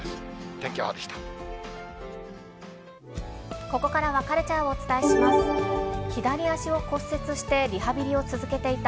天気予報でした。